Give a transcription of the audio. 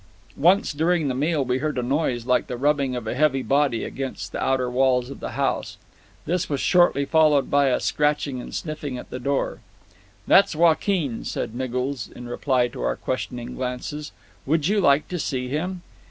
Once during the meal we heard a noise like the rubbing of a heavy body against the outer walls of the house. This was shortly followed by a scratching and sniffling at the door. "That's Joaquin," said Miggles, in reply to our questioning glances; "would you like to see him?"